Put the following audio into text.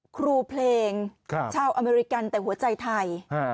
ครูเพลงชาวอเมริกันแต่หัวใจไทย